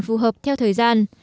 phù hợp theo thời gian